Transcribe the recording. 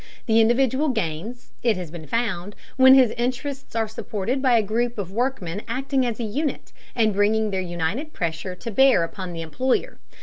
The individual gains, it has been found, when his interests are supported by a group of workmen acting as a unit, and bringing their united pressure to bear upon the employer.